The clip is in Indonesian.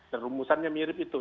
dan rumusannya mirip itu